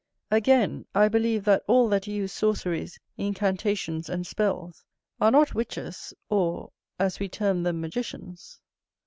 Again, I believe that all that use sorceries, incantations, and spells, are not witches, or, as we term them, magicians.